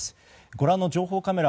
ご覧の情報カメラ